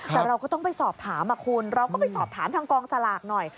แต่เราก็ต้องไปสอบถามคุณเราก็ไปสอบถามทางกองสลากหน่อย